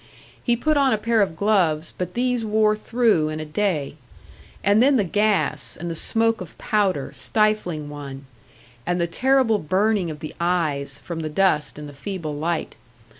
He put on a pair of gloves, but these wore through in a day. And then the gas, and the smoke of powder, stifling one; and the terrible burning of the eyes, from the dust and the feeble light.